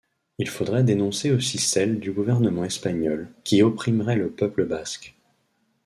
Il faudrait dénoncer aussi celle du gouvernement espagnol, qui opprimerait le peuple basque.